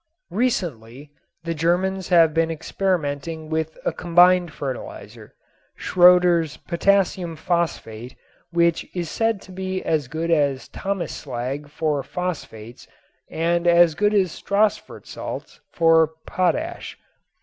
Recently the Germans have been experimenting with a combined fertilizer, Schröder's potassium phosphate, which is said to be as good as Thomas slag for phosphates and as good as Stassfurt salts for potash.